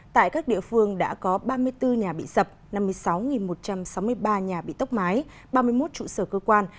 tại các địa phương đã có ba mươi bốn nhà bị sập năm mươi sáu một trăm sáu mươi ba nhà bị tốc mái ba mươi một trụ sở cơ quan